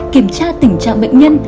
kiểm tra tình trạng bệnh nhân